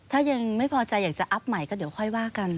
ถ้ายังไม่พอใจอยากจะอัพใหม่ก็เดี๋ยวค่อยว่ากัน